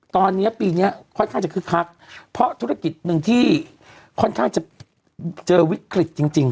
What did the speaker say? ตอนนี้ปีนี้ค่อนข้างจะคึกคักเพราะธุรกิจหนึ่งที่ค่อนข้างจะเจอวิกฤตจริงจริง